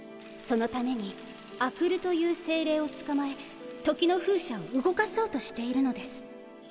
そのために阿久留という精霊を捕まえ「時の風車」を動かそうとしているのです。